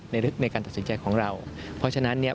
ลึกในการตัดสินใจของเราเพราะฉะนั้นเนี่ย